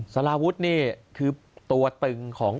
สารวุษนี่คือตัวตึง